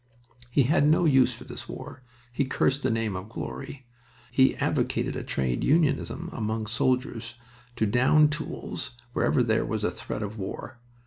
He had no use for this war. He cursed the name of "glory." He advocated a trade unionism among soldiers to down tools whenever there was a threat of war.